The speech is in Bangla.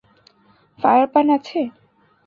ফায়ার পান আছে?